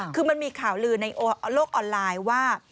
คือมันมีข่าวลือในโลกออนไลน์ว่า